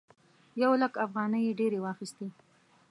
یو لک افغانۍ یې ډېرې واخيستې.